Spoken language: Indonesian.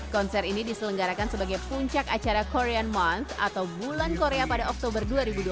konser ini diselenggarakan sebagai puncak acara korean month atau bulan korea pada oktober dua ribu dua puluh